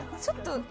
ちょっと。